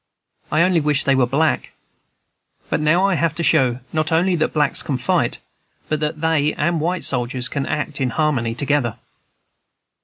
I only wish they were black; but now I have to show, not only that blacks can fight, but that they and white soldiers can act in harmony together."